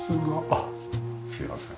あっすいません。